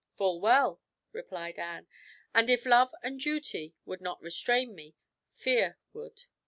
"Full well," replied Anne; "and if love and duty would not restrain me, fear would."